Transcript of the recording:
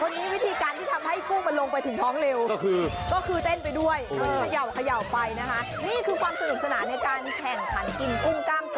มันตัวใหญ่มันต้องใช้เวลาแกะไปแกะมาแข่ง